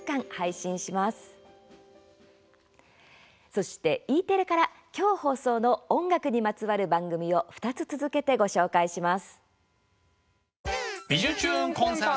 そしてＥテレから今日放送の音楽にまつわる番組を２つ続けてご紹介します。